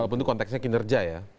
walaupun itu konteksnya kinerja ya